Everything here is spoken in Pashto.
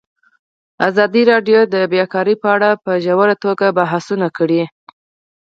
ازادي راډیو د بیکاري په اړه په ژوره توګه بحثونه کړي.